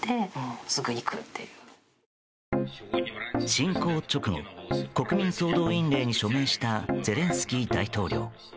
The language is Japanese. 侵攻直後国民総動員令に署名したゼレンスキー大統領。